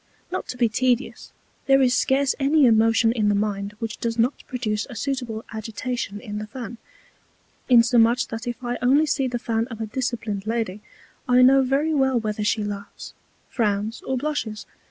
Not to be tedious, there is scarce any Emotion in the Mind which does not produce a suitable Agitation in the Fan; insomuch, that if I only see the Fan of a disciplin'd Lady, I know very well whether she laughs, frowns, or blushes.